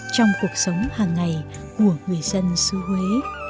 trong cuộc sống hàng ngày của người dân xứ huế